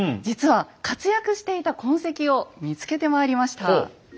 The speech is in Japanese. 実は活躍していた痕跡を見つけてまいりました。